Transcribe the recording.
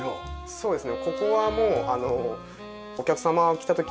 そうですね